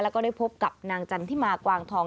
แล้วก็ได้พบกับนางจันทิมากวางทอง